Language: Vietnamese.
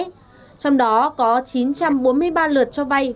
trong đó có chín trăm bốn mươi ba lượt cho vay